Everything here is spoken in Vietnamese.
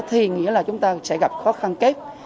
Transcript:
thì nghĩa là chúng ta sẽ gặp khó khăn kép